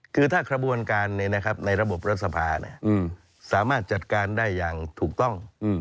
คือถ้ากระบวนการในระบบรัฐสภาสามารถจัดการได้อย่างถูกต้อง